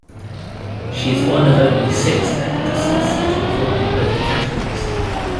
She is one of only six actresses to have won in both categories.